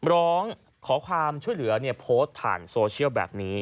ร้องขอความช่วยเหลือโพสต์ผ่านโซเชียลแบบนี้